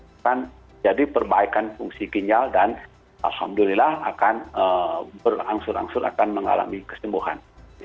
akan jadi perbaikan fungsi ginjal dan alhamdulillah akan berangsur angsur akan mengalami kesembuhan